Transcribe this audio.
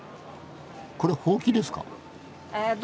これほうきですか？